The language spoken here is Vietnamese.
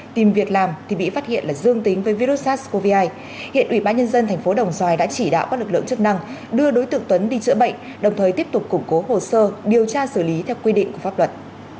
tìm việc làm thì bị phát hiện là dương tính với virus sars cov hai hiện ủy ban nhân dân tp đồng xoài đã chỉ đạo các lực lượng chức năng đưa đối tượng tuấn đi chữa bệnh đồng thời tiếp tục củng cố hồ sơ điều tra xử lý theo quy định của pháp luật